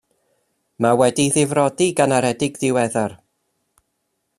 Mae wedi'i ddifrodi gan aredig diweddar.